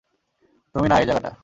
তুমি না, এই জায়গাটা!